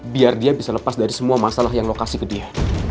biar dia bisa lepas dari semua masalah yang lokasi ke dia